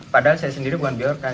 padahal saya sendiri bukan biorka gitu